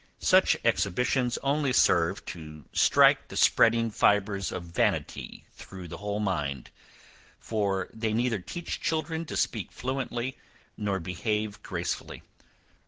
Such exhibitions only serve to strike the spreading fibres of vanity through the whole mind; for they neither teach children to speak fluently, nor behave gracefully.